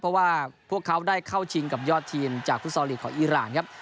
เพราะว่าพวกเค้าได้เข้าจิงกับยอดทีนจากพุทธศัลยิกของอิราณครับ